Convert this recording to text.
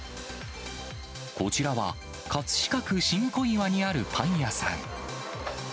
こちらは、葛飾区新小岩にあるパン屋さん。